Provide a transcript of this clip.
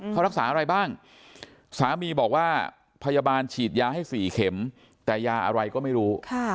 เขารักษาอะไรบ้างสามีบอกว่าพยาบาลฉีดยาให้๔เข็มแต่ยาอะไรก็ไม่รู้